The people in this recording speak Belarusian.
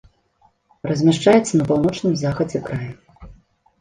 Размяшчаецца на паўночным захадзе края.